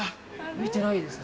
見てないですね。